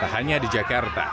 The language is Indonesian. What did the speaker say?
tak hanya di jakarta